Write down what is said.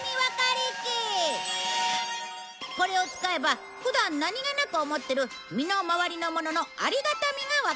これを使えば普段何げなく思ってる身の回りのもののありがたみがわかるんだ。